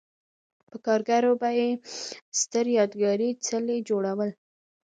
په کارګرو به یې ستر یادګاري څلي جوړول